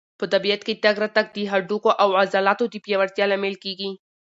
په طبیعت کې تګ راتګ د هډوکو او عضلاتو د پیاوړتیا لامل کېږي.